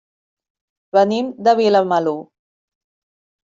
Venim de Vilamalur.